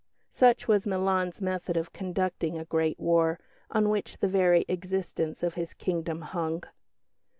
Such was Milan's method of conducting a great war, on which the very existence of his kingdom hung.